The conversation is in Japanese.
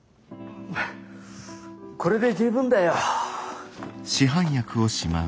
フッこれで十分だよ。